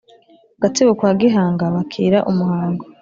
gatsibo kwa gihanga bakira umuhango